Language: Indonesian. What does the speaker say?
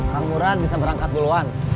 kamuran bisa berangkat duluan